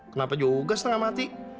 kenapa juga setengah mati